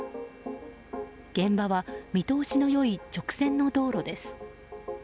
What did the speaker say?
現場は見通しの良い直線の道路です。